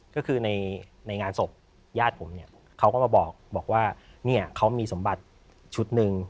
ก็คือในงานศพญาติผมเนี่ยเขาก็มาบอกว่าเนี่ยเขามีสมบัติชุดหนึ่ง